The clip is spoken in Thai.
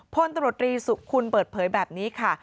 พลตำรวจรีสุคุณเปิดเผยแบบนี้ค่ะ